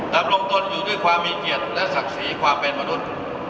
ดำรงตนอยู่ด้วยความมีเกียรติและศักดิ์ศรีความเป็นมนุษย์